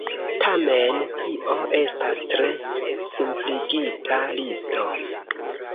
Tamen, tio estas tre simpligita listo.